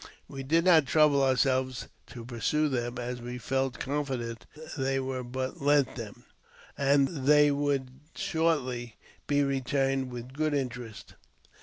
We did not trouble ourselves to pursue them, as we felt confident they were but lent them, and that they would shortly be returned with good interest.